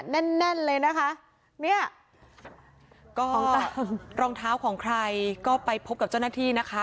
แน่นแน่นเลยนะคะเนี่ยก็ตามรองเท้าของใครก็ไปพบกับเจ้าหน้าที่นะคะ